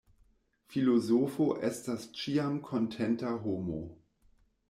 Filozofo estas ĉiam kontenta homo.